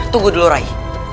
tunggu dulu rai